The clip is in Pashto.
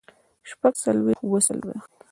شپږ څلوېښت اووه څلوېښت